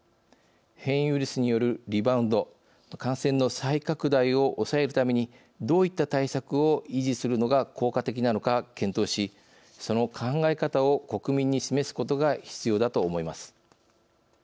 変異ウイルスによるリバウンド感染の再拡大を抑えるためにどういった対策を維持するのが効果的なのか、検討しその考え方を国民に示すことが必要だと思います。